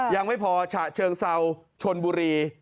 ยังไม่พอฉะเชิงเซาชนบุรี